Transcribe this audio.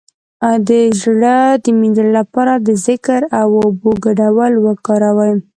د زړه د مینځلو لپاره د ذکر او اوبو ګډول وکاروئ